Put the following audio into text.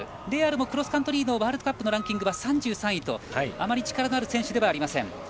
レーアルもクロスカントリーのワールドカップランキングは３３位とあまり力のある選手ではありません。